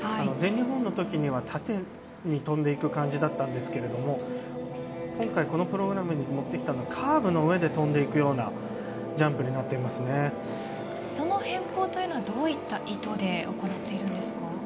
全日本のときには縦に跳んでいく感じだったんですが今回このプログラムに持ってきたのはカーブの上で跳んでいくようなその変更というのはどういった意図で行っているんですか？